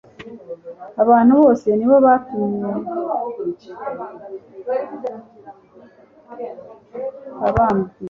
Abantu bose ni bo batunye UmNvana w'Imana abambwa.